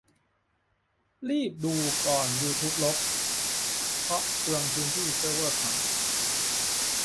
รีบดูก่อนยูทูบลบ เพราะเปลืองพื้นที่เซิร์ฟเวอร์เขา